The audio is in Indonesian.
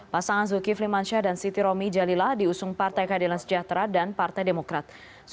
pasangan zulkifli mansyah dan siti romi jalila diusung partai keadilan sejahtera dan partai demokrat